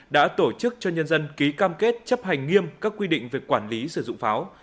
đã tổ chức cho nhân dân ký cam kết chấp hành nghiêm các quy định về quản lý sử dụng pháo